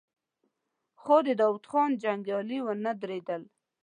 خو د داوود خان جنګيالي ونه درېدل.